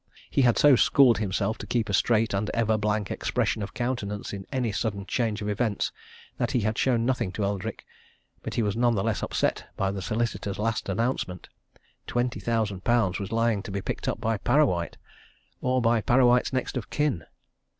He had so schooled himself to keep a straight and ever blank expression of countenance in any sudden change of events that he had shown nothing to Eldrick but he was none the less upset by the solicitor's last announcement. Twenty thousand pounds was lying to be picked up by Parrawhite or by Parrawhite's next of kin!